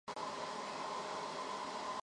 用于将苯胺类和酚氧化为醌。